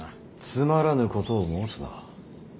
つまらぬことを申すな。